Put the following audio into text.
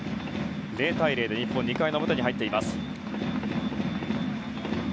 ０対０で２回の表に入っています。